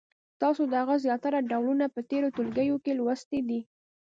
تاسو د هغو زیاتره ډولونه په تېرو ټولګیو کې لوستي دي.